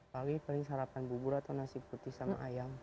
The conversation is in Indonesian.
pagi paling sarapan bubur atau nasi putih sama ayam